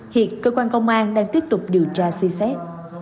hiện cơ quan công an đang tiếp tục điều tra suy xét